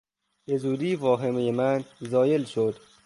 به زودی واهمهی من زایل شد.